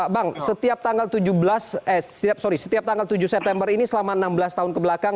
bang setiap tanggal tujuh belas eh sorry setiap tanggal tujuh september ini selama enam belas tahun kebelakang